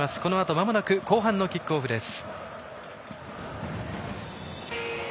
まもなく後半のキックオフです。